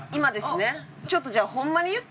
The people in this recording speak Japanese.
ちょっとじゃあホンマに言っていいですか？